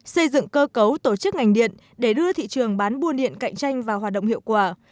xây dựng cơ cấu tổ chức ngành điện để đưa thị trường bán buôn điện cạnh tranh vào hoạt động hiệu quả